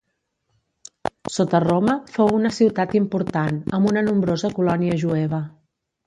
Sota Roma, fou una ciutat important, amb una nombrosa colònia jueva.